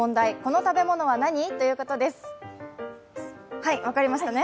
はい、分かりましたね？